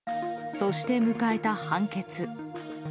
そして迎えた判決。